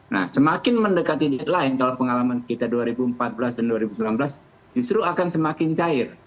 nah semakin mendekati deadline kalau pengalaman kita dua ribu empat belas dan dua ribu sembilan belas justru akan semakin cair